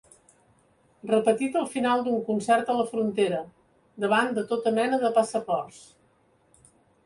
Repetit al final d'un concert a la frontera, davant de tota mena de passaports.